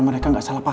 terima kasih pak